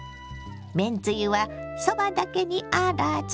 めんつゆはそばだけにあらず。